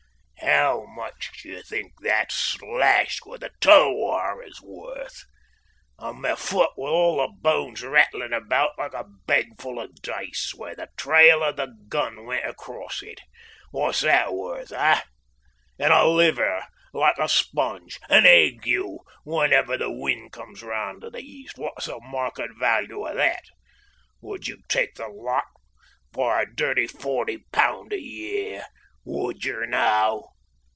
"How much d'ye think that slash with a tulwar is worth? And my foot with all the bones rattling about like a bagful of dice where the trail of the gun went across it. What's that worth, eh? And a liver like a sponge, and ague whenever the wind comes round to the east what's the market value of that? Would you take the lot for a dirty forty pound a year would you now?"